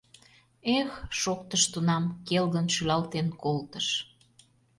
— Эх! — шоктыш тунам, келгын шӱлалтен колтыш.